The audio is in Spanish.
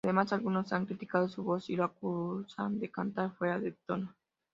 Además algunos han criticado su voz y lo acusan de cantar fuera de tono.